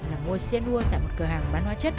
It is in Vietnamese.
là mua xe nua tại một cửa hàng bán hoa chất